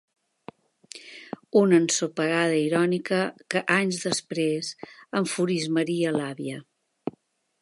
Una ensopegada irònica que anys després enfurismaria l'àvia.